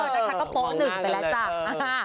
นะคะก็โป๊ะหนึ่งไปแล้วจ้ะ